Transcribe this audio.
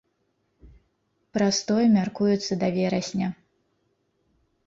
Прастой мяркуецца да верасня.